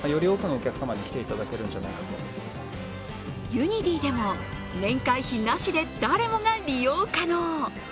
ユニディでも、年会費なしで誰もが利用可能。